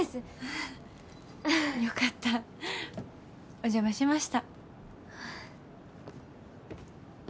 お邪魔しました。